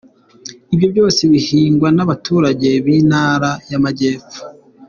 Ibyo byose bihingwa n’abaturage b’Intara y’Amajyepfo.